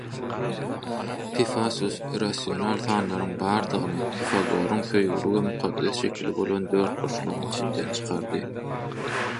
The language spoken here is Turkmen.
Hippasus irrasional sanlaryň bardygyny Pifagoruň söýgüli we mukaddes şekili bolan dörtburçlygyň içinden çykardy.